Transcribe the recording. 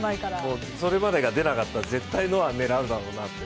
それまでが出なかったら、絶対ノア、狙うだろうなって。